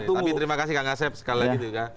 tapi terima kasih kang asep sekali lagi juga